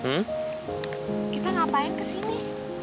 le kita ngapain kesini